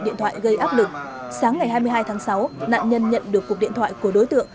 điện thoại gây áp lực sáng ngày hai mươi hai tháng sáu nạn nhân nhận được cuộc điện thoại của đối tượng